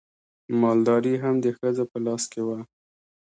مالداري هم د ښځو په لاس کې وه.